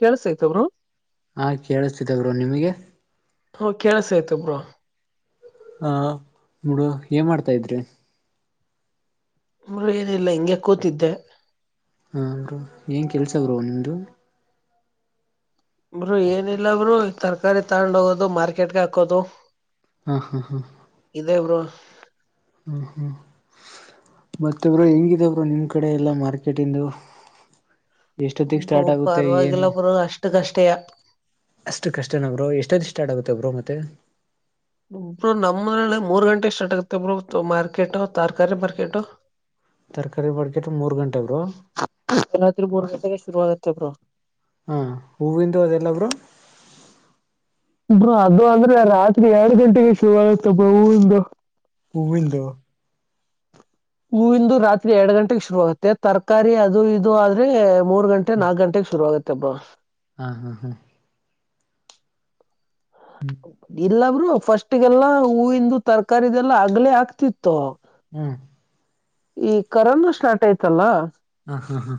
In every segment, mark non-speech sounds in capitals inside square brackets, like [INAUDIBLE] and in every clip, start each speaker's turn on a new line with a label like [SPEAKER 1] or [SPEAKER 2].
[SPEAKER 1] ಕೆಲ್ಸ್ತ ಆಯ್ತ ಬ್ರೋ
[SPEAKER 2] ಹಾಂ ಕೇಳಿಸ್ತಿದ್ದೆ ಬ್ರೋ ನಿಮಗೆ
[SPEAKER 1] ಹ ಕೆೇಳ್ಸ ಆಯ್ತ್ ಬ್ರೋ
[SPEAKER 2] ಹ ನೋಡು ಏನ್ ಮಾಡ್ತಾ ಇದ್ರಿ
[SPEAKER 1] ಮತ್ತೆ ಏನಿಲ್ಲ ಹಿಂಗೆ ಕೂತಿದ್ದೆ
[SPEAKER 2] ಹಾಂ ಬ್ರೋ ಏನು ಕೆಲಸ ಬ್ರೋ ನಿಮ್ದು
[SPEAKER 1] ಬ್ರೂ ಏನಿಲ್ಲ ಬ್ರೋ ತರಕಾರಿ ತಗೊಂಡ ಹೋಗೋದು ಮಾರ್ಕೆಟ್ಗೆ ಹಾಕೋದು
[SPEAKER 2] ಹಾ ಹಾ ಹಾ
[SPEAKER 1] ಇದೇ ಬ್ರೋ
[SPEAKER 2] ಹ್ಮ್ ಹ್ಮ್ ಮತ್ತೆಬ್ರೋ ಹೆಂಗಿದೆ ಬ್ರೋ ನಿಮ್ಗೆ ನಿಮ್ಮ ಕಡೆ ಎಲ್ಲ ಮಾರ್ಕೆಟಿಂಗ್
[SPEAKER 1] ಬ್ರೋ ಪರವಾಗಿಲ್ಲ ಬ್ರೋ ಅಷ್ಟು ಕಷ್ಟಯ
[SPEAKER 2] ಅಷ್ಟು ಕಷ್ಟನಬ ಬ್ರೋ ಎಷ್ಟೊಂದು ಸ್ಟಾರ್ಟ ಆಗುತ್ತೆ ಬಾರೋ ಮತ್ತೆ
[SPEAKER 1] ಬ್ರೋ ನಮ್ಮಲ್ಲಿ ಮೂರ್ ಗಂಟೆಗೆ ಸ್ಟಾರ್ ಆಗತ್ತೆ ಬ್ರೋ ಮಾರ್ಕೆಟ್ ತರಕಾರಿ ಮಾರ್ಕೆಟ್
[SPEAKER 2] ತರಕಾರಿ ಮಾರ್ಕೆಟ್ ಮೂರು ಗಂಟೆನ ಬ್ರೋ
[SPEAKER 1] ರಾತ್ರಿ ಮೂರು ಗಂಟೆಗೇ ಶುರುವಾಗುತ್ತೆ ಬ್ರೋ
[SPEAKER 2] ಹಾ ಹೂವಿಂದು ಅದೆಲ್ಲ ಬ್ರೋ
[SPEAKER 1] ಅದು ಅಂದ್ರೆ ರಾತ್ರಿ ಎರಡು ಗಂಟೆಗೆ ಶುರು ಆಗುತ್ತೆ ಹೂವಿನ್ದು
[SPEAKER 2] ಹೂವಿನ ಅಂದು
[SPEAKER 1] ಹೂವಿಂದು ರಾತ್ರಿ ಎರಡ್ ಗಂಟೆಗೆ ಶುರು ಆಗುತ್ತೆ ತರಕಾರಿ ಅದು ಇದು ಆದ್ರೆ ಮೂರ್ ಗಂಟೆ ನಾಕಕ್ ಗಂಟೆಗೆ ಶುರು ಆಗುತ್ತೆಬ್ಬರು
[SPEAKER 2] ಹಾ ಹಾ ಹಾ ಹ್ಮ್
[SPEAKER 1] ಇಲ್ಲಬ್ರು ಫಸ್ಟ್ಗೆಲ್ಲಾ ಹೂವಿಂದು ತರಕದೆಲ್ಲಾ ಅಗ್ಲೇ ಆಕ್ತಿತ್ತು
[SPEAKER 2] ಹ್ಮ್
[SPEAKER 1] ಈ ಕರೋನ ಸ್ಟಾರ್ಟ್ ಆಯ್ತಲ್ಲ
[SPEAKER 2] ಹಾ ಹಾ ಹಾ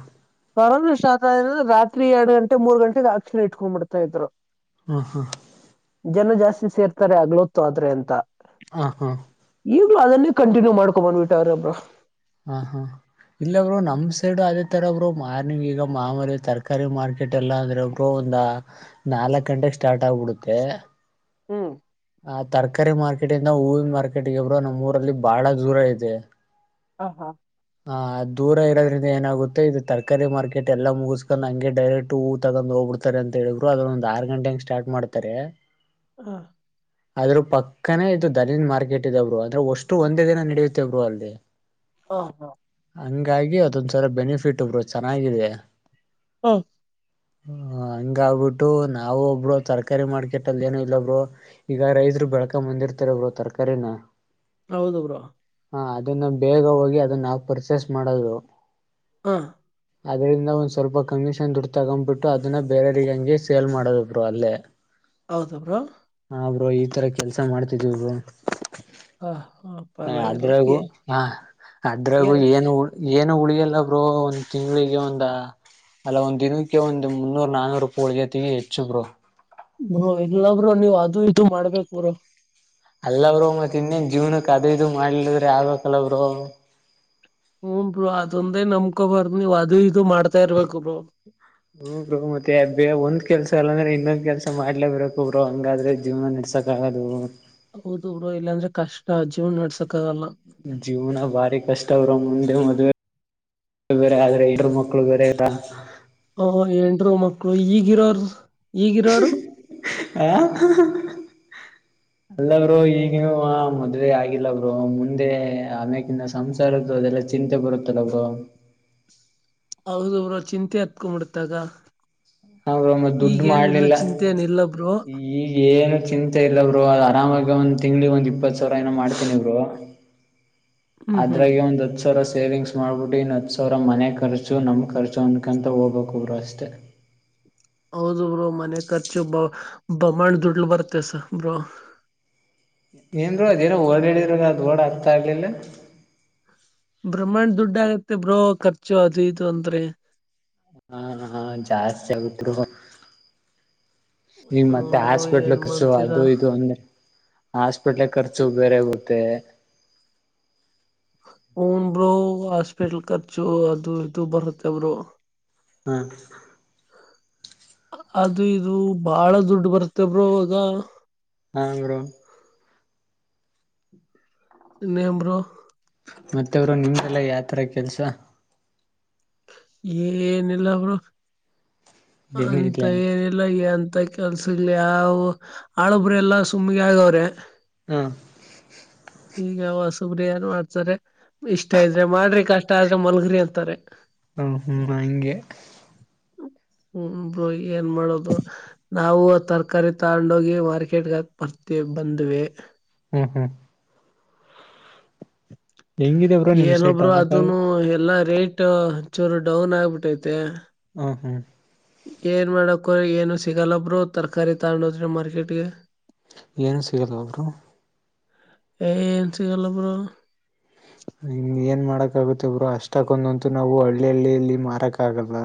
[SPEAKER 1] ಪರ ಸ್ಟ್ರೆ ರಾತ್ರಿ ಎರಡ್ ಗಂಟೆ ಮೂ ಗಂಟೆಗೆ ಅಕ್ಷಿಣ ಇಟ್ಕೊಂಡ್ಬ ಬಿಡ್ತಾ ಇದ್ರು
[SPEAKER 2] ಹ್ಮ ಹ್ಮ
[SPEAKER 1] ಜನ ಜಾಸ್ತಿ ಸೇರ್ತಾರೆ ಅಗ್ಲೊತ್ತು ಆದ್ರೆ ಅಂತ
[SPEAKER 2] ಆ ಹಾ
[SPEAKER 1] ಈಗ್ಲೂ ಅದನ್ನೇ ಕಂಟಿನ್ಯೂ ಮಾಡ್ಕೊ ಬಂದ್ಬಿಟ್ಟ ಅವ್ರ ಬ್ರೋ
[SPEAKER 2] ಹ ಹಾ ಇಲ್ಲ ಬ್ರೋ ನಮ್ ಸೈಡು ಅದೇ ತರ ಬ್ರೋ ಮಾರ್ನಿಂಗ್ ಈಗ ಮಾಮೂಲಿ ತರಕಾರಿ ಮಾರ್ಕ ಕಿಕೆಟ್ ಎಲ್ಲ ಅಂದ್ರೆ ಒಬ್ರು ಒಂದು ನಾಲ್ಕು ಗಂಟೆಗೆ ಸ್ಟಾರ್ಟ್ ಆಗ್ಬಿಡುತ್ತೆ
[SPEAKER 1] ಹ್ಮ್
[SPEAKER 2] ಆ ತರಕಾರಿ ಮಾರ್ಕೆಟ್ ಇಂದ ಹೂವಿ ಮಾರ್ಕೆಟ್ಗಬ್ರು ನಮ್ಮ್ ಊರಲ್ಲಿ ಬಾಳ ದೂರ ಇದೆ
[SPEAKER 1] ಹ ಹಾ
[SPEAKER 2] ಹ ದೂರ ಇರೋದ್ರಿಂದ ಏನಾಗುತ್ತೆ ಇದು ತರಕಾರಿ ಮಾರ್ಕೆಟ್ ಎಲ್ಲಾ ಮುಗಸ್ಕೊಂಡ್ ಹಂಗೆ ಡೈರೆಕ್ಟ್ ಹೂ. ತಗೊಂಡ ಹೋಗ್ಬಿಡ್ತಾರೆ ಅಂತ ಹೇಳಿದರು ಅದೊಂದು ಆರು ಗಂಟೆಗೆ ಸ್ಟಾರ್ಟ ಮಾಡ್ತಾರೆ.
[SPEAKER 1] ಹಾ
[SPEAKER 2] ಆದ್ರೂ ಪಕ್ಕನೇ ಇದು ದನದ ಮಾರ್ಕೆಟ್ ಇದ ಬ್ರೋ ಅಂದ್ರೆ ವಷ್ಟು ಒಂದೇ ದಿನಾ ನಡೆಯುತ್ತೆ ಬ್ರೋ ಅಲ್ಲಿ.
[SPEAKER 1] ಹ ಹಾ
[SPEAKER 2] ಹಂಗಾಗಿ ಅದೊಂದ್ಸಲ ಬೆನಿಫಿಟ್ ಬ್ರೋ ಚೆನ್ನಾಗಿದೆ.
[SPEAKER 1] ಹಾ
[SPEAKER 2] ಹ ಹಂಗಾಆಗ್ಬಿಟ್ಟು ನಾವು ಬ್ರೋ ತರಕಾರಿ ಮಾರ್ಕೆಟ್ ಅಲ್ಲಿ ಏನ ಇಲ್ಲಾ ಬ್ರೋ. ಈಗ ರೈತರು ಬೆಳಕ ಬಂದಿರ್ತಾರೆ ಬ್ರೋ ತರಕಾರಿನ.
[SPEAKER 1] ಹೌದು ಬ್ರೋ
[SPEAKER 2] ಹಾ ಅದನ್ನ ಬೇಗ ಹೋಗಿ ಅದನ್ನ ಪರ್ಚೇಸ್ ಮಾಡೋದು.
[SPEAKER 1] ಹಾ
[SPEAKER 2] ಅದರಿಂದ ಒಂದ್ ಸ್ವಲ್ಪ ಕಮಿಷನ್ ದುಡ್ಡು ತಗೊಬಿಟ್ಟು ಅದನ್ನ ಬೇರೆಯವ್ರಿಗೆ ಹಂಗೆ ಸೇಲ್ ಮಾಡೋದು ಬ್ರೋ ಅಲ್ಲೇ.
[SPEAKER 1] ಹೌದು ಬ್ರೋ.
[SPEAKER 2] ಹಾ ಬ್ರೋ ಈ ತರಾ ಕೆಲ್ಸ ಮಾಡ್ತಿದ್ವಿ ಬ್ರೋ.
[SPEAKER 1] ಹಾ ಹಾ
[SPEAKER 2] ಹ
[SPEAKER 1] ಪರವಾಗಿಲ್ಲ
[SPEAKER 2] ಅದ್ರಾಗೂ ಹ ಅದ್ರಾಗೂ ಏನು ಉಳ್ ಏನು ಉಳಿಯಲ್ಲಾ ಬ್ರೋ ಒಂದ ತಿಂಗಳಿಗೆ ಒಂದ. ಅಲ್ಲ ಒಂದ ದಿನಕ್ಕೆ ಒಂದು ಮುನ್ನೂರ ನಾನ್ನೂರು ರೂಪಾಯಿ ಉಳಿತೇತಿ ಹೆಚ್ಚು ಬ್ರೋ.
[SPEAKER 1] ಬ್ರೋ ಇಲ್ಲಾ ಬ್ರೋ ನೀವ ಅದು ಇದು ಮಾಡ್ಬೇಕ ಬ್ರೋ.
[SPEAKER 2] ಅಲ್ಲ ಬ್ರೋ ಮತ್ತ ಇನ್ನೇನ್ ಜೀವನಕ್ ಅದು ಇದು ಮಾಡ್ಲಿದ್ರ ಆಗ್ಬೇಕಲ್ಲ ಬ್ರೋ.
[SPEAKER 1] ಹೂ ಬ್ರೋ ಅದೊಂದೇ ನಮ್ಕೊಬಾರ್ದ ನೀವ್ ಅದು ಇದು ಮಾಡ್ತಾ ಇರ್ಬೇಕು ಬ್ರೋ.
[SPEAKER 2] ಹೂ ಬ್ರೋ ಮತ್ತೆ ಬೇ ಒಂದ್ ಕೆಲಸ ಅಲ್ಲ ಅಂದ್ರೆ ಇನ್ನೊಂದ್ ಕೆಲಸ ಮಾಡ್ಲೇ ಬೆಕು ಬ್ರೋ ಹಂಗಾದ್ರೆ ಜಿವನಾ ನಡ್ಸಕ್. ಕಾಗದು
[SPEAKER 1] ಹೌದು ಬ್ರೋ ಇಲ್ಲಾಂದ್ರೆ ಕಷ್ಟಾ ಜೀವನ ನಡ್ಸಕ್ಕ ಆಗಲ್ಲಾ.
[SPEAKER 2] ಜೀವನಾ ಬಾರಿ ಕಷ್ಟ ಬ್ರೋ ಮುಂದೆ ಮದುವೆ. ಅದು ಬೇರೆ ಆದ್ರೆ ಹೆಂಡ್ರು ಮಕ್ಳು ಬೇರೆ ಇಲ್ಲಾ.
[SPEAKER 1] ಅವಾಗ ಹೆಂಡ್ರು ಮಕ್ಕಳು ಈಗಿರೋರು ಈಗಿರೋರು.
[SPEAKER 2] ಹಾ
[SPEAKER 1] ಹ
[SPEAKER 2] ಅಲ್ಲ ಬ್ರೋ ಈಗನು ಮದುವೆ ಆಗಿಲ್ಲಾ ಅವರು ಮುಂದೆ ಆಮ್ಯಾಗಿನ. ಸಂಸಾರದು ಅದೆಲ್ಲ ಚಿಂತೆ ಬರುತ್ತಲ್ಲ ಬ್ರೋ.
[SPEAKER 1] ಹೌದು ಬ್ರೋ ಚಿಂತೆ ಹತ್ಕೊಂಬಿಡತಾಗ.
[SPEAKER 2] ಹ ಬ್ರೋ ಮತ್ ದುಡ್ಡು
[SPEAKER 1] ಈಗೇನ ಇಲ್ಲ
[SPEAKER 2] ಮಾಡ್ಲಿಲ್ಲ.
[SPEAKER 1] ಚಿಂತೆ ಏನ ಇಲ್ಲ ಬ್ರೋ.
[SPEAKER 2] ಈಗ ಏನು ಚಿಂತೆ ಇಲ್ಲಾ ಬ್ರೋ ಅ ಆರಾಮಾಗಿ ಒಂದ ತಿಂಗ್ಳಿಗೆ ಒಂದ್ ಇಪ್ಪತ್ತು ಸಾವಿರ ಏನೋ ಮಾಡ್ತೇನಿ ಬ್ರೋ.
[SPEAKER 1] ಹ್ಮ್ ಹ್ಮ್
[SPEAKER 2] ಅದ್ರಾಗೆ ಒಂದ ಹುಚ್ಚ. ಹತ್ತಸಾವಿರ ಸೇವಿಂಗ್ಸ್ ಮಾಡ್ಬಿಟ್ಟು ಇನ್ನು ಹತ್ತು ಸಾವರ ಮನೆ ಖರ್ಚು ನಮ್ಮ ಖರ್ಚು ಅ್ಕಂತ ಹೋಗಬೇಕು ಬ್ರೋ ಅಷ್ಟೇ.
[SPEAKER 1] ಹೌದು ಬ್ರೋ ಮನೆ ಖರ್ಚು ಬ ಬಮಂಡ್ ದುಡ್ಲು ಬರ್ತೆ ಸ ಬ್ರೋ.
[SPEAKER 2] ಏನ ಬ್ರೋ ಅದೇನೋ ವರ್ಡ್ ಹೇಳಿದ್ರಲ್ಲ ಅದು ವರ್ಡ್ ಅರ್ಥಾ ಆಗ್ಲಿಲ್ಲಾ.
[SPEAKER 1] ಬ್ರಹ್ಮಾಂಡ್ ದುಡ್ಡ್ ಆಗತ್ತೆ ಬ್ರೋ ಖರ್ಚು ಅದು ಇದು ಅಂದ್ರೆ.
[SPEAKER 2] ಹಾ ಹಾ ಜಾಸ್ತಿ ಆಗುತ್ತೆ ಬ್ರೋ. ನಿ ಮತ್ತೆ
[SPEAKER 1] ಹನ್ ಬ್ರೋ
[SPEAKER 2] ಹಾಸ್ಪಿಟಲ್ಲ
[SPEAKER 1] ಏನ್
[SPEAKER 2] ಖರ್ಚು
[SPEAKER 1] ಮಾಡ್ತೀರಾ
[SPEAKER 2] ಅದು ಇದು ಅಂದ್ರೆ. ಹಾಸ್ಪಿಟಲ್ ಖರ್ಚು ಬೇರೆಗುತ್ತೆ.
[SPEAKER 1] ಹುನ್ ಬ್ರೋ ಹಾಸ್ಪಿಟ್ಲ್ ಖರ್ಚು ಅದು ಇದು ಬರುತ್ತೆ ಬ್ರೋ
[SPEAKER 2] ಹಾ
[SPEAKER 1] ಅದು ಇದು ಬಾಳ ದುಡ್ಡು ಬರ್ತ ಬ್ರೋ ಆಗಾ.
[SPEAKER 2] ಹಾಂಗ್ರೋ
[SPEAKER 1] ಇನ್ನೇನ್ ಬ್ರೋ
[SPEAKER 2] ಮತ್ತೆ ಬ್ರೋ ನಿಮ್ಗೆಲ್ಲ ಯಾವ ತರ ಕೆಲ್ಸ.
[SPEAKER 1] ಏನಿಲ್ಲ ಬ್ರೋ
[SPEAKER 2] ಏನು
[SPEAKER 1] ಅಂತ
[SPEAKER 2] ಇಲ್ಲ
[SPEAKER 1] ಏನಲ್ ಇಲ್ಲ ಎಂತ ಕೆಲ್ಸ ಇಲ್ ಯಾವ್ ಆಳಬ್ರೆಲ್ಲ ಸುಮ್ಗೆ ಆಗವ್ರೆ.
[SPEAKER 2] ಹಾ
[SPEAKER 1] ಈಗ ಹೊಸುಬ್ರು ಏನ್ ಮಾಡ್ತಾರೆ. ಇಷ್ಟ ಇದ್ರೆ ಮಾಡ್ರಿ ಕಷ್ಟ ಆದ್ರೆ ಮಲ್ಗರಿ ಅಂತಾರೆ.
[SPEAKER 2] ಹ ಹ್ಮ್ ಹಂಗೆ
[SPEAKER 1] ಹ್ಮ ಬ್ರೋ ಏನ್ ಮಾಡೋದು ನಾವು ತರಕಾರಿ ತಗೊಂಡೋಗಿ ಮಾರ್ಕೆಟ್ಗಾಕ್ ಬರ್ತವಿ ಬಂದ್ವಿ.
[SPEAKER 2] ಹ್ಮ್ ಹ್ಮ್ ಹೆಂಗಿದೆ ಬ್ರೋ ನಿಮ್
[SPEAKER 1] ಏನೊ
[SPEAKER 2] ಸೈಡ್
[SPEAKER 1] ಬ್ರೋ
[SPEAKER 2] ಟೊಮೊಟೊ
[SPEAKER 1] ಅದುನು ಎಲ್ಲಾ ರೇಟ್ ಚೂರು ಡೌನ್ ಆಗ್ಬಿಟ್ಟೈತೆ.
[SPEAKER 2] ಹ ಹ್ಮ
[SPEAKER 1] ಏನ್ ಮಾಡಕ್ಕೋ ಏನು ಸಿಗಲ್ಲ ಬ್ರೋ ತರಕಾರಿ ತಗೊಂಡೋದ್ರಿ ಮಾರ್ಕೆಟ್ಗೆ.
[SPEAKER 2] ಏನು ಸಿಗಲ್ವ ಬ್ರೋ.
[SPEAKER 1] ಏನ್ ಸಿಗಲ್ಲ ಬ್ರೋ
[SPEAKER 2] ಹ್ಮ್ ಏನ್ ಮಾಡಕ್ ಆಗುತ್ತೆ ಬ್ರೋ ಅಷ್ಟಕ್ಕೊಂದಂತು ನಾವು ಹಳ್ಳಿಯಲ್ಲಿ ಇಲ್ಲಿ ಮಾರಕ್ ಆಗಲ್ಲ.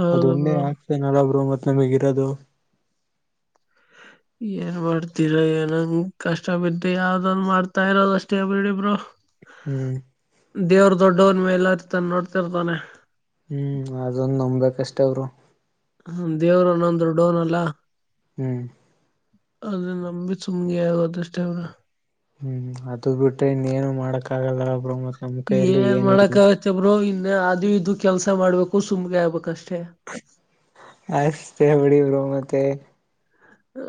[SPEAKER 1] ಹೌದು
[SPEAKER 2] ಅದೊಂದೇ
[SPEAKER 1] ಬ್ರೋ
[SPEAKER 2] [UNINTELLIGIBLE] ಬ್ರೋ ಮತ್ತ್ ನಮಿಗ್ ಇರೋದು.
[SPEAKER 1] ಏನ್ ಮಾಡ್ತೀರಾ ಏನಂಗ ಕಷ್ಟ ಬಿದ್ದ ಯಾವ್ದನ್ ಮಾಡ್ತಾ ಇರೋದ್ ಅಷ್ಟೇ ಬಿಡಿ ಬ್ರೋ
[SPEAKER 2] ಹ್ಮ್
[SPEAKER 1] ದೇವ್ರು ದೊಡ್ಡವ್ನು ಮೇಲರ್ತಾನ್ ನೋಡ್ತಿರ್ತಾನೆ.
[SPEAKER 2] ಹ್ಮ್ ಅದನ್ ನಂಬೇಕಷ್ಟೆ ಬ್ರೋ
[SPEAKER 1] ಹ ದೇವ್ರ್ ಅನ್ನೋನು ದೊಡ್ಡೋನ್ ಅಲ್ಲ
[SPEAKER 2] ಹ್ಮ್
[SPEAKER 1] ಅದ್ರ ನಂಬಿ ಸುಮ್ ಆಗದ ಅಷ್ಟೆ ಬ್ರೋ
[SPEAKER 2] ಹ್ಮ್ ಅದು ಬಿಟ್ರೆ ಇನ್ನೇನು ಮಾಡಕ್ ಆಗಲ್ಲಲ್ಲ ಬ್ರೋ ಮತ್ತ್ ನಮ್ ಕೈಯಲ್ಲಿ
[SPEAKER 1] ಏನ್
[SPEAKER 2] ಏನು ಇಲ್ಲ.
[SPEAKER 1] ಮಾಡಕ್ಕಾಗತ್ತೆ ಬ್ರೋ ಇನ್ನ ಅದು ಇದು ಕೆಲ್ಸ ಮಾಡ್ಬೇಕು ಸುಮ್ಗೆ ಆಗ್ಬೇಕಷ್ಟೇ.
[SPEAKER 2] ಅಷ್ಟೆ ಬಿಡಿ ಬ್ರೋ ಮತ್ತೆ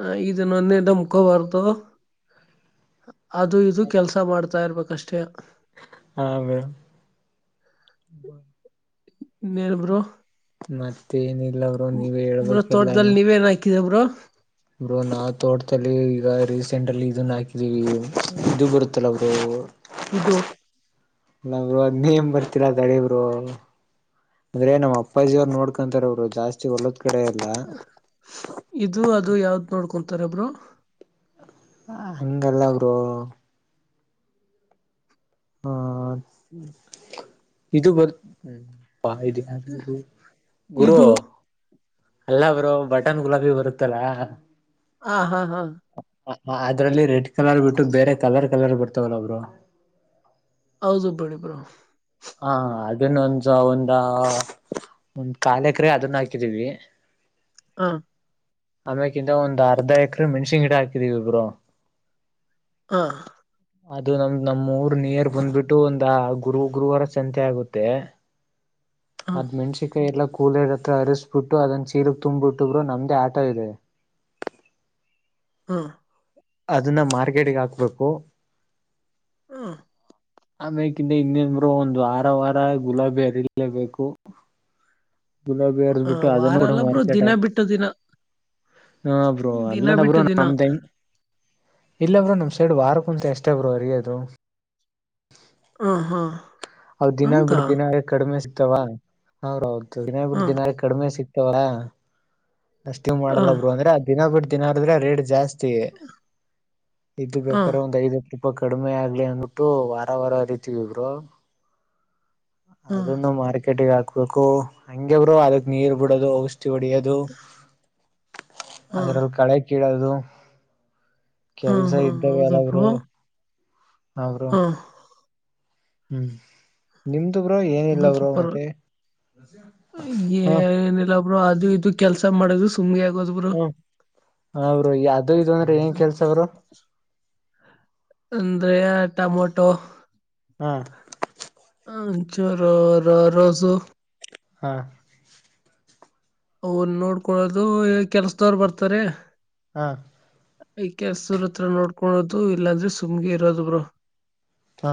[SPEAKER 1] ಆ ಇದುಂನೊಂದೆ ನಂಬ್ಕೋಬಾರ್ದು ಅದು ಇದು ಕೆಲ್ಸ ಮಾಡ್ತಾ ಇರ್ಬೇಕಷ್ಟೇ.
[SPEAKER 2] ಹಾ ಬ್ರೋ
[SPEAKER 1] ಇನ್ನೇನ್ ಬ್ರೋ
[SPEAKER 2] ಮತ್ತೇನಿಲ್ಲ ಬ್ರೋ ನೀವೇ
[SPEAKER 1] ಬ್ರೋ
[SPEAKER 2] ಹೇಳ್ಬೇಕೆಲ್ಲ
[SPEAKER 1] ತೋಟದಲ್ಲಿ ನೀವೇನ್ ಹಾಕಿರ ಬ್ರೊ.
[SPEAKER 2] ಬ್ರೋ ನಾವು ತೋಟದಲ್ಲಿ ಈಗ ರೀಸೆಂಟ್ ಅಲ್ಲಿ ಇದನ್ನ ಹಾಕಿದೀವಿ ಇದು ಬರುತ್ತಲ್ಲ ಬ್ರೋ
[SPEAKER 1] ಇದು
[SPEAKER 2] ನಮ್ಗದ್ ನೇಮ್ ಬರ್ತಿಲ್ಲ ತಡಿ ಬ್ರೋ. ಅಂದ್ರೆ ನಮ್ಮ್ ಅಪ್ಪಾಜಿಯವರು ನೋಡ್ಕೊಂತಾರೆ ಬ್ರೋ ಜಾಸ್ತಿ ಹೊಲದ್ ಕಡೆ ಎಲ್ಲ.
[SPEAKER 1] ಇದು ಅದು ಯಾವ್ದ್ ನೋಡ್ಕೊಂತಾರೆ ಬ್ರೋ
[SPEAKER 2] ಹಂಗಲ್ಲ ಬ್ರೋ ಹಾ ಇದು ಬರು ಆ ಇದು ಗುರು
[SPEAKER 1] ಇದು
[SPEAKER 2] ಅಲ್ಲ ಬ್ರೋ ಬಟನ್ ಗುಲಾಬಿ ಬರುತ್ತಲಾ
[SPEAKER 1] ಆ ಹಾ ಹಾ
[SPEAKER 2] ಅದ್ರಲ್ಲಿ ರೆಡ್ ಕಲರ್ ಬಿಟ್ಟು ಬೇರೆ ಕಲರ್ ಕಲರ್ ಬರ್ತಾವಲ್ಲ ಬ್ರೋ.
[SPEAKER 1] ಹೌದು ಬಡಿ ಬ್ರೋ
[SPEAKER 2] ಹಾ ಅದನ್ನ ಒಂದಂದು ಒಂದ ಒಂದ್ ಕಾಲ್ ಎಕರೆ ಅದನ್ನ ಹಾಕಿದೀವಿ
[SPEAKER 1] ಹಾ
[SPEAKER 2] ಆಮ್ಯೇಕಿಂದ ಒಂದ್ರ್ಧ ಎಕ್ರ ಮೆಣಸಿ ಗಿಡ ಹಾಕಿದೀವಿ ಇಬ್ಬ್ರು
[SPEAKER 1] ಹಾ
[SPEAKER 2] ಅದು ನಮ್ದ್ ನಮ್ಮ್ ಊರ್ ನಿಯರ್ ಬಂದ್ಬಿಟ್ಟು ಒಂದ ಗುರು ಗುರುವಾರ ಚಿಂತೆ ಆಗುತ್ತೆ
[SPEAKER 1] ಹಾ
[SPEAKER 2] ಅದ ಮೆಣಸಿನ ಎಲ್ಲ ಕೂಲರ್ ಹತ್ರ ಅರಿಸಸ್ಬಿಟ್ಟು ಅದನ್ನ ಚೀರ್ಗ್ ತುಂಬ್ಬಿಟ್ಟುಬ್ರು ನಮ್ದೇ ಆಟೋ ಇದೆ
[SPEAKER 1] ಹಾ
[SPEAKER 2] ಅದನ್ನ ಮಾರ್ಕೆಟ್ಟಿಗೆ ಹಾಕ್ಬೇಕು
[SPEAKER 1] ಹಾಂ
[SPEAKER 2] ಆಮ್ಯೇಕಿಂತ ಇನ್ನೆನ ಗುರು ಒಂದು ವಾರ ವಾರ ಗುಲಾಬಿ ಹರಿಲೇಬೇಕು
[SPEAKER 1] ಹ
[SPEAKER 2] ಅದನ್ನು ಕೂಡ
[SPEAKER 1] ವಾರಲ್ಲ ಬ್ರು
[SPEAKER 2] ಮಾರ್ಕೆಟ್
[SPEAKER 1] ದಿನ
[SPEAKER 2] ಹಾಕ್
[SPEAKER 1] ಬಿಟ್ಟು ದಿನಾ
[SPEAKER 2] ಹಾ ಬ್ರೋ
[SPEAKER 1] ದಿನಾ
[SPEAKER 2] ಅಲ್ಲನ
[SPEAKER 1] ಬಿಟ್ಟು
[SPEAKER 2] ಬ್ರೋ
[SPEAKER 1] ದಿನಾ
[SPEAKER 2] ನಮ್ದ ಹೆಂಗ್ ಇಲ್ಲ ಬ್ರೋ ನಮ್ಮ್ ಸೈಡ್ ವಾರ ಕುಂತ ಅಷ್ಟೇ ಬೋರ ಹರಿಯೋದು
[SPEAKER 1] ಹ ಹಾ
[SPEAKER 2] ಅವ್ ದಿನಾ
[SPEAKER 1] ಹಂಗ
[SPEAKER 2] ಬಿಟ್ಟ ದಿನಾರ ಕಡಿಮೆ ಸಿಗ್ತಾವದು ದಿನ ಬಿ
[SPEAKER 1] ಹಾ
[SPEAKER 2] ದಿನಾ ಕಡಿಮೆ ಸಿಕ್ತವ್ರ ಅಷ್ಟು
[SPEAKER 1] ಹಾ
[SPEAKER 2] ಮಾಡಲ್ಲ ಬ್ರೋ ಅಂದ್ರೆ ದಿನ ಬಿಟ್ಟ ದಿನಾರ್ರೆ ರೇಟ್ ಜಾಸ್ತಿ ಇದು
[SPEAKER 1] ಹಾ
[SPEAKER 2] ಬೇಕಾದ್ರೆ ಒಂದ್ ಐದತ್ತುಾಯ [UNINTELLIGIBLE] ತಪ್ಪ ಕಡಿಮೆ ಆಗ್ಲಿ ಅಂದ್ಬಿಟ್ಟು ವಾರ ವಾರ ಹರಿತೀವಿ ಬ್ರೋ
[SPEAKER 1] ಹಾ ಹಾ
[SPEAKER 2] ಅದನ್ನು ಮಾರ್ಕೆಟಗ್ ಹಾಕ್ಬೇಕು ಹಂಗೆ ಬ್ರೋರು ಅದಕ್ ನೀರ್ ಬಿಡೋದು ಔಷಧಿ [UNINTELLIGIBLE] ಹೊಡಿಯೋದು
[SPEAKER 1] ಹಾ
[SPEAKER 2] ಅದ್ರಲ್ಲಿ ಕಳೆ ಕೀಳದು ಕೆಲ್ಸ
[SPEAKER 1] ಹಾ
[SPEAKER 2] ಇದ್ದಾವ
[SPEAKER 1] ಹೌದ
[SPEAKER 2] ಎಲ್ಲವಲ ಬ್ರೋ ಅವರು
[SPEAKER 1] ಹಾ
[SPEAKER 2] ಹ್ಮ್ ನಿಮ್ದು ಬ್ರೋ ಏನಿಲ್ಲ
[SPEAKER 1] ಹಂಗಾದ್ರ
[SPEAKER 2] ಬ್ರು
[SPEAKER 1] ಪರ್
[SPEAKER 2] ಮತ್ತೆ ಹಾ
[SPEAKER 1] ಇಲ್ಲಬ್ರು ಅದು ಇದು ಕೆಲ್ಸ ಮಾಡುದು ಸುಮ್ಮನೆ ಆಗೋದ ಬ್ರು
[SPEAKER 2] ಹಾ ಬ್ರೋ ಅದು ಇದು ಅಂದ್ರೆ ಏನ್ ಕೆಲ್ಸ ಬ್ರೋ
[SPEAKER 1] ಅಂದ್ರೆ ಟೊಮೊಟೊ
[SPEAKER 2] ಹಾ
[SPEAKER 1] ಒಂದು ಚೂರು ರೋಜು
[SPEAKER 2] ಹಾ
[SPEAKER 1] ಅವ್ರು ನೋಡ್ಕೊಳ್ಳದು ಕೆಲ್ಸದವರ ಬರ್ತಾರೆ
[SPEAKER 2] ಹಾ
[SPEAKER 1] ಕೆಲ್ಸದ್ರ ಹತ್ರ ನೋಡ್ಕೊದು ಇಲ್ಲಾಂದ್ರೆ ಸುಮ್ಗೆ ಇರೋದು ಬ್ರೋ
[SPEAKER 2] ಹಾ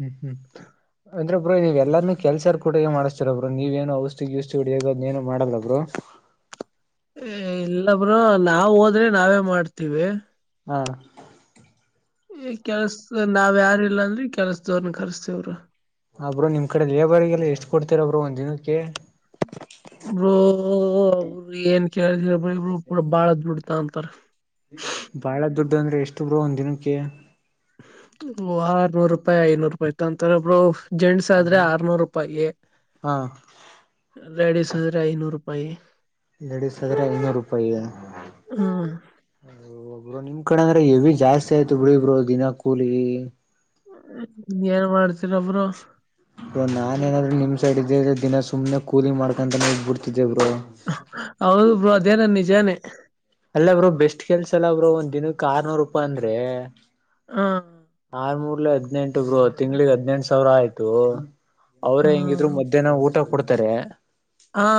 [SPEAKER 2] ಹ್ಮ್ ಹ್ಮ್ ಅಂದ್ರೆ ಬ್ರೋ ನೀವ ಎಲ್ಲಾರನುೂ ಕೆಲ್ಸಾರ್ ಕೂಡೆ ಮಾಡಿಸ್ತೀರ ಬ್ರು ನೀವೇನು ಔಷಧಿ ಗೆಸದೀಯಿ ಹೋಡೆದುನು ಮಾಡಲ್ಲಲ್ಬಬ್ರು
[SPEAKER 1] ಇಲ್ಲ ಬ್ರೋರು ನಾವ್ ಹೋದ್ರೆ ನಾವೇ ಮಾಡ್ತೀವಿ
[SPEAKER 2] ಹಾ
[SPEAKER 1] ಈ ಕೆಲ್ಸ ನಾವ್ ಯಾರ ಇಲ್ಲಾ ಅಂದ್ರೀ ಕೆಲ್ಸದೋರ್ನ ಕರ್ಸ್ತೇವ ಬ್ರೋ
[SPEAKER 2] ಅಬ್ರೋ ನಿಮ್ ಕಡೆ ಲೇಬರ್ಗೆಲ್ಲ ಎಷ್ಟ್ ಕೊಡ್ತೀರ ಬ್ರೋ ಒಂದ ದಿನಕ್ಕೆ
[SPEAKER 1] ಬ್ರೋ ಏನ್ ಕೇಳ ಬ್ರ ಇಬ್ರರು ಪೂಡ ಬಾಳ್ ದುಡ್ತ ತಗೋತಾರೇ
[SPEAKER 2] ಬಾಳ ದುಡ್ಡು ಅಂದ್ರೆ ಎಷ್ಟು ಬ್ರೋ ಒಂದ ದಿನಕ್ಕೆ
[SPEAKER 1] ಓ ಆರ್ನೂರು ರೂಪಾಯಿ ಐನೂರು ರೂಪಾಯಿತ ಅಂತಾರೆ ಬ್ರೋ ಜೆಂನ್ಸ ಆದ್ರೆ ಆರ್ನೂರು ರೂಪಾಯೇ
[SPEAKER 2] ಹಾ
[SPEAKER 1] ಲೇಡಿಸ್ ಅಂದ್ರೆ ಐನೂರು ರೂಪಾಯಿ.
[SPEAKER 2] ಲೇಡಿಸಸ್ ಆದ್ರೆ ಐನೂರು ರೂಪಾಯಿ.
[SPEAKER 1] ಹ್ಮ್
[SPEAKER 2] ಬ್ರೋ ನಿಮ್ ಕಡೆ ಅಂದ್ರೆ ಹೆವಿ ಜಾಸ್ತಿ ಆಯ್ತು ಬಿಡಿ ಬ್ರೋ ದಿನ ಕೂಲಿ.
[SPEAKER 1] ಏನ್ ಮಾಡ್ತೀರ ಬ್ರೋ.
[SPEAKER 2] ನಾನ ಏನಾದ್ರು ನಿಮ್ ಸೈಡ್ ಇದಿದ್ರೆ ದಿನ ಸುಮ್ಮನೆ ಕೂಲಿ ಮಾಡ್ಕಂತಾನೇ ಇದ್ದುಬಿಡ್ತಿದ್ದೆ ಬ್ರೋ.
[SPEAKER 1] ಹೌದು ಬ್ರೋ ಅದೇನು ನಿಜಾನೇ.
[SPEAKER 2] ಅಲ್ಲ ಬ್ರೋ ಬೆಸ್ಟ್ ಕೆಲ್ಸಲ್ಲ ಬ್ರೋ ಒಂದ್ ದಿನಕ್ಕೆ ಆರ್ನೂರು ರೂಪಯಿ ಅಂದ್ರೆ.
[SPEAKER 1] ಹಾ
[SPEAKER 2] ಆರ್ ಮೂರ್ಲೆ ಹದ್ನೆಂಟು ತಿಂಗಳಿಗೆ ಹದ್ನೆಂಟು ಸಾವಿರ ಆಯ್ತು.
[SPEAKER 1] ಹಾ
[SPEAKER 2] ಅವ್ರೇ ಹೆಂಗಿದ್ರು ಮಧ್ಯಾಹ್ನ ಊಟ ಕೊಡ್ತಾರೆ.
[SPEAKER 1] ಹಾ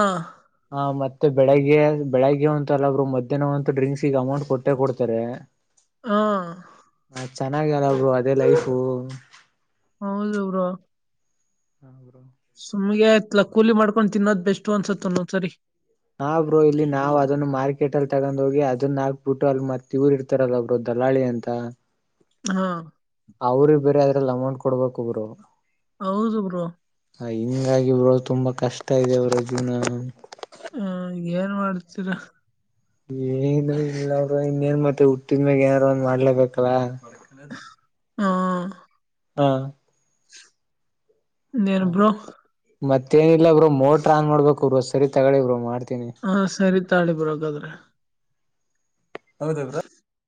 [SPEAKER 2] ಹ ಮತ್ತೆ ಬೆಳಿಗ್ಗೆ ಬೆಳಿಗ್ಗೆ ಅಂತಲ್ಲ ಬ್ರೋ ಮಧ್ಯಾಹ್ನವಂತು ಡ್ರಿಂಕ್ಸ್ ಈಗ ಅಮೌಂಟ್ ಕೊಟ್ಟೆ ಕೊಡ್ತಾರೆ.
[SPEAKER 1] ಹಾ
[SPEAKER 2] ಹ ಚೆನ್ನಾಗೆ ಇದೇಯಲ್ಲಾ ಬ್ರೋ ಅದೇ ಲೈಫ್
[SPEAKER 1] ಹೌದು ಬ್ರೋ.
[SPEAKER 2] [UNINTELLIGIBLE]
[SPEAKER 1] ಸುಮ್ನೆ ಕೂಲಿ ಮಾಡ್ಕೊಂಡು ತಿನ್ನೋದ್ ಬೆಸ್ಟು ಅನ್ಸತು ಒಂದೊಂದು ಸರಿ.
[SPEAKER 2] ಆ ಬ್ರೋ ಇಲ್ಲಿ ನಾವು ಅದನ್ನ ಮಾರ್ಕೆಟ್ ಅಲ್ಲಿ ತಗೊಂಡ್ ಹೋಗಿ ಅದನ್ನ ಹಾಕ್ಬಿಟ್ಟು ಅಲ್ಲಿ ಮತ್ತ ಇವರು. ಇತ್ತರಲ್ಲ ಬ್ರೋ ದಲಾಳಿ ಅಂತ.
[SPEAKER 1] ಹಾ
[SPEAKER 2] ಅವ್ರ ಬೇರೆ ಅದ್ರಲ್ಲಿ ಅಮೌಂಟ್ ಕೊಡ್ಬೇಬೇಕು ಬ್ರೋ.
[SPEAKER 1] ಹೌದು ಬ್ರೋ.
[SPEAKER 2] ಹ ಹಿಂಗಾಗಿ ಬ್ರೋ ತುಂಬಾ ಕಷ್ಟ ಇದೆ ಜೀವನ.
[SPEAKER 1] ಹ ಏನ್ ಮಾಡ್ತೀರಾ.
[SPEAKER 2] ಏನು ಇಲ್ಲಬ್ರೋ ಇನ್ನೇನ್ ಮತ್ತೆ ಹುಟ್ಟಿದ ಮ್ಯಾಗ ಏನಾರ ಮಾಡ್ಲೇಬೇಕಲ್ಲ.
[SPEAKER 1] ಹಾ
[SPEAKER 2] ಹಾ
[SPEAKER 1] ಇನೇನು ಬ್ರೋ
[SPEAKER 2] ಮತ್ತೇನಿಲ್ಲ ಬ್ರೋ ಮೋಟ್ರ ಆನ್ ಮಾಡ್ಬೇಕು ಬ್ರೋ ಸರಿ ತಕೊಳ್ಳಿ ಬ್ರೋ ಮಾಡ್ತೀನಿ.
[SPEAKER 1] ಹಾ ಸರಿ ತಾಕೋಳಿ ಬ್ರೋ ಹಾಗಾದ್ರೆ.
[SPEAKER 2] ಹೌದಾ ಬ್ರೋ.